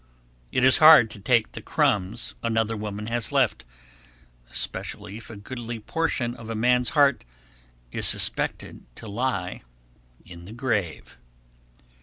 It is hard to take the crumbs another woman has left, especially if a goodly portion of a man's heart is suspected to lie in the grave.